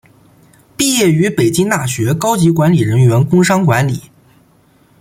毕业于北京大学高级管理人员工商管理。